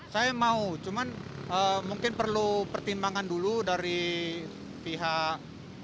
saya mau cuman mungkin perlu pertimbangan dulu dari pihak